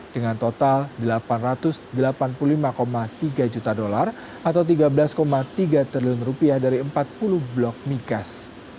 dengan total delapan ratus delapan puluh lima tiga juta dolar atau tiga belas tiga triliun rupiah dari empat puluh blok migas